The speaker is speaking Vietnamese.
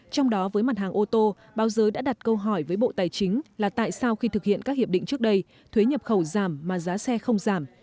trong đó với mặt hàng ô tô báo giới đã đặt câu hỏi với bộ tài chính là tại sao khi thực hiện các hiệp định trước đây thuế nhập khẩu giảm mà giá xe không giảm